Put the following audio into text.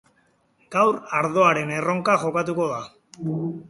Gaur ardoaren erronka jokatuko da.